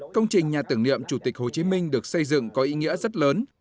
công trình nhà tưởng niệm chủ tịch hồ chí minh được xây dựng có ý nghĩa rất lớn